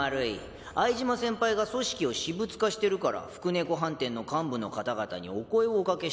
相島先輩が組織を私物化してるから福猫飯店の幹部の方々にお声をお掛けしたんです。